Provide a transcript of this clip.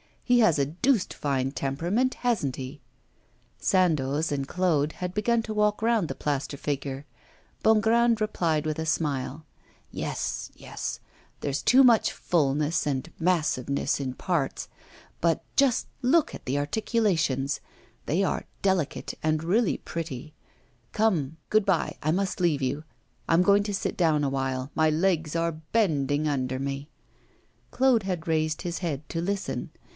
He has a deuced fine temperament, hasn't he?' Sandoz and Claude had begun to walk round the plaster figure. Bongrand replied with a smile. 'Yes, yes; there's too much fulness and massiveness in parts. But just look at the articulations, they are delicate and really pretty. Come, good bye, I must leave you. I'm going to sit down a while. My legs are bending under me.' Claude had raised his head to listen.